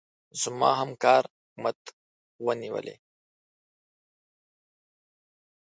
زما همکار حکومت ونيولې.